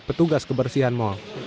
petugas kebersihan mall